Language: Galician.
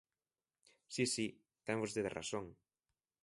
Si, si, ten vostede razón.